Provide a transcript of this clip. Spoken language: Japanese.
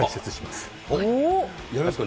やりますか？